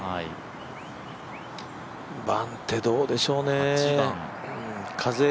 番手、どうでしょうね。